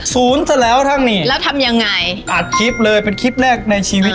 ซะแล้วทั้งนี้แล้วทำยังไงอัดคลิปเลยเป็นคลิปแรกในชีวิต